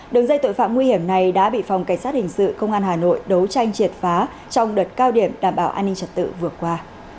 đường dây tội phạm nguy hiểm này đã bị phòng cảnh sát hình sự công an hà nội đấu tranh triệt phá trong đợt cao điểm đảm bảo an ninh trật tự vừa qua